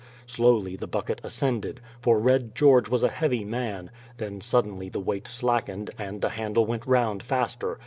Slowly the bucket ascended, for Red George was a heavy man; then suddenly the weight slackened, and the handle went round faster.